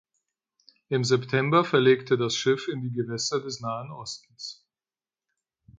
Im September verlegte das Schiff in die Gewässer des Nahen Ostens.